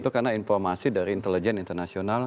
karena informasi dari intelijen internasional